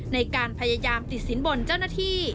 ในการพยายามติดสินบนเจ้าหน้าที่